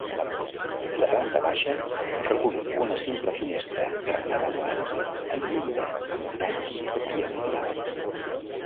La planta baixa recull una simple finestra rectangular amb llinda, muntants i ampit.